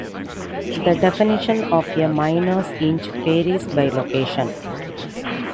The definition of a miner's inch varies by location.